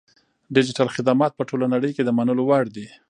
ډیجیټل خدمات په ټوله نړۍ کې د منلو وړ دي.